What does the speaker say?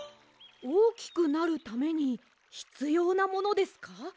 おおきくなるためにひつようなものですか？